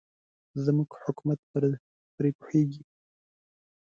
زموږ حکومت پرې پوهېږي.